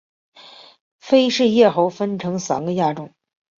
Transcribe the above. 菲氏叶猴分成三个亚种